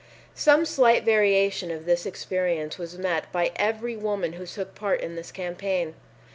Some slight variation of this experience was met by every woman who took part in this campaign.